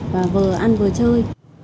và vừa ăn vừa chơi